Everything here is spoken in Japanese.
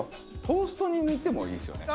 トーストに塗ってもいいですよね。